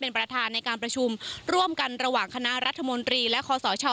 เป็นประธานในการประชุมร่วมกันระหว่างคณะรัฐมนตรีและคอสช